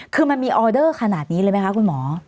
คือมันมีออเดอร์ขนาดนี้เลยไหมคะคุณหมอ